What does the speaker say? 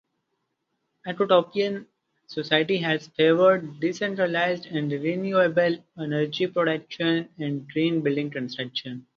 Ecotopian society has favored decentralized and renewable energy production and green building construction.